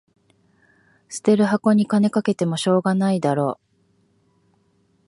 捨てる箱に金かけてもしょうがないだろ